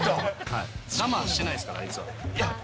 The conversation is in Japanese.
我慢しないですから、あいつは。